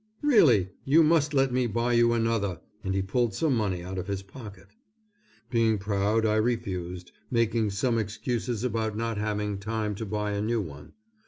"Really, you must let me buy you another," and he pulled some money out of his pocket. Being proud, I refused, making some excuses about not having time to buy a new one.